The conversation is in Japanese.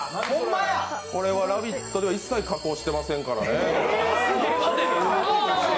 これは「ラヴィット！」では一切加工してませんからね。